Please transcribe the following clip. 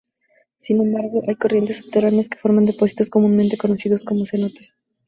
Sin embargo, hay corrientes subterráneas que forman depósitos comúnmente conocidos como cenotes.